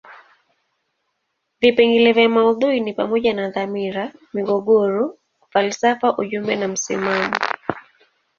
Vipengele vya maudhui ni pamoja na dhamira, migogoro, falsafa ujumbe na msimamo.